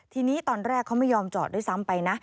ทีนี้ตอนแรกเขาไม่ยอมจอดด้วยซ้ำไปนะ